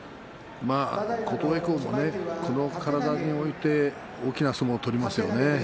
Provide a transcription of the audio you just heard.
琴恵光もこの体において大きな相撲を取りますからね。